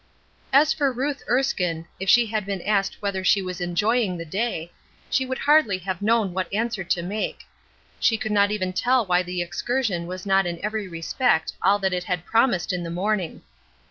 As for Ruth Erskine, if she had been asked whether she was enjoying the day, she would hardly have known what answer to make; she could not even tell why the excursion was not in every respect all that it had promised in the morning.